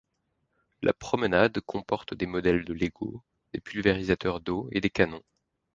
La promenade comporte des modèles de Lego, des pulvérisateurs d'eau et des canons.